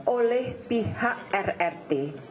oleh pihak rrt